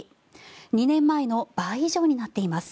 ２年前の倍以上になっています。